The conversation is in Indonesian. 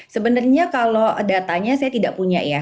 sebenarnya kalau datanya saya tidak punya ya